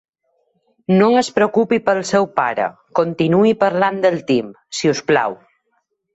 No es preocupi pel seu pare, continuï parlant del Tim, si us plau.